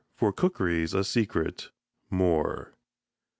For cookery's a secret." MOORE.